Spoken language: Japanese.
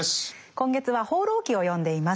今月は「放浪記」を読んでいます。